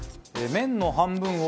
麺の半分を。